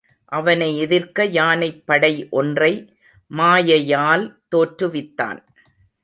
அவனை எதிர்க்க யானைப் படை ஒன்றை மாயையால் தோற்று வித்தான்.